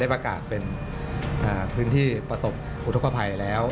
ประกาศเป็นพื้นที่ประสบอุทธกภัยแล้ว